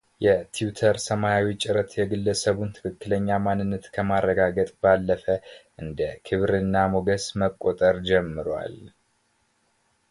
የትዊተር ሰማያዊ ጭረት የግለሰቡን ትክክለኛ ማንነት ከማረጋገጥ ባለፈ እንደ ክብርና ሞገስ መቆጠር ጀምሯል።